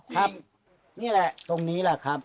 ครับนี่แหละตรงนี้แหละครับ